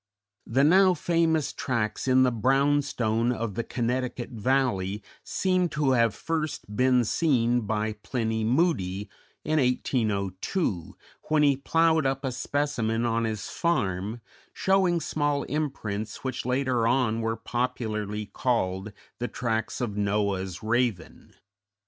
The now famous tracks in the "brown stone" of the Connecticut Valley seem to have first been seen by Pliny Moody in 1802, when he ploughed up a specimen on his farm, showing small imprints, which later on were popularly called the tracks of Noah's raven.